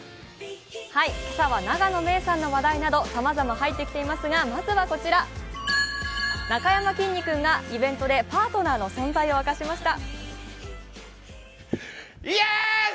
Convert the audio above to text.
今朝は永野芽郁さんの話題などさまざま入ってきていますがまずはこちら、なかやまきんに君がイベントでパートナーの存在を明かしました。